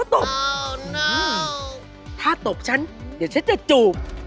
ตบถ้าตบฉันเดี๋ยวฉันจะจูบ